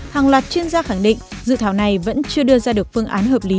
hàng loạt chuyên gia khẳng định dự thảo này vẫn chưa đưa ra được phương án hợp lý